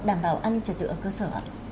đảm bảo an ninh trật tự ở cơ sở